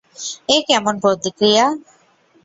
এ কেমন প্রতিক্রিয়া?